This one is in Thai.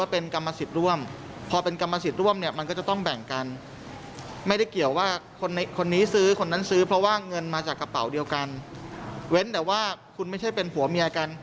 เพราะว่าเงินมาจากกระเป๋าเดียวกันเว้นแต่ว่าคุณไม่ใช่เป็นหัวเมียกัน